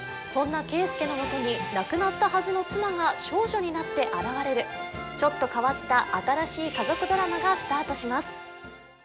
そんな圭介のもとに亡くなったはずの妻が少女になって現れるちょっと変わった新しい家族ドラマがスタートします